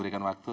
terima kasih ibu